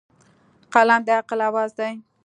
قلم د عقل اواز دی.